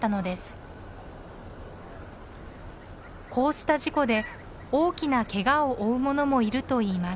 こうした事故で大きなけがを負うものもいるといいます。